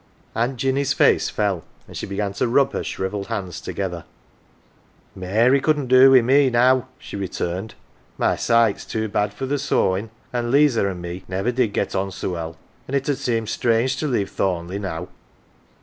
Aunt Jinny's face fell, and she began to rub her shrivelled hands together. " Mary couldn't do wi' me now," she returned. " My sight's too bad for th' sewin', an' 'Liza an' me niver did get on so well. An' it 'ud seem strange to leave Thorn leigh now.